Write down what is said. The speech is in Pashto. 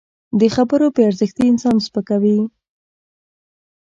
د خبرو بې ارزښتي انسان سپکوي